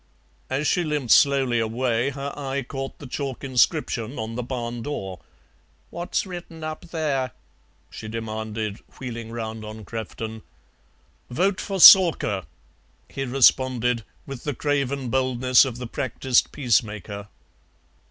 As she limped slowly away her eye caught the chalk inscription on the barn door. "What's written up there?" she demanded, wheeling round on Crefton. "Vote for Soarker," he responded, with the craven boldness of the practised peacemaker.